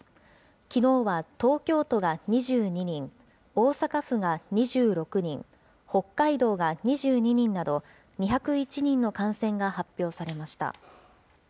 きのうは東京都が２２人、大阪府が２６人、北海道が２２人など、２０１人の感染が発表されました。